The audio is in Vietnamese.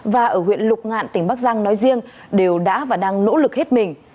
và ở huyện lục ngạn tỉnh bắc giang nói riêng đều đã và đang nỗ lực hết mình